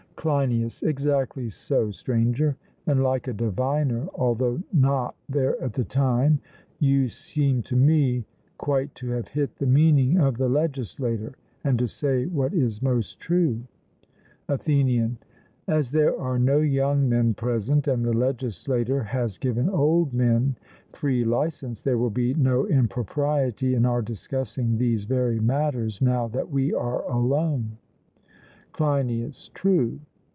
CLEINIAS: Exactly so, Stranger; and like a diviner, although not there at the time, you seem to me quite to have hit the meaning of the legislator, and to say what is most true. ATHENIAN: As there are no young men present, and the legislator has given old men free licence, there will be no impropriety in our discussing these very matters now that we are alone. CLEINIAS: True.